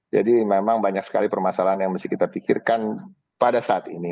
memang banyak sekali permasalahan yang mesti kita pikirkan pada saat ini